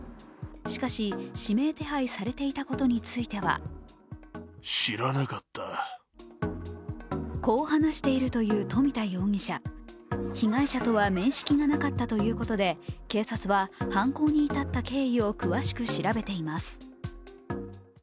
しかし、指名手配されていたことについてはこう話しているという富田容疑者被害者とは面識がなかったということで、警察は犯行に至った経緯を詳しく調べています。